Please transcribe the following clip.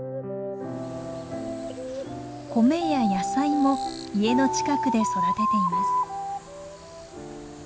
米や野菜も家の近くで育てています。